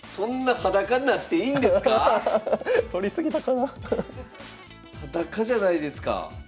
裸じゃないですか。